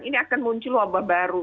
ini akan muncul wabah baru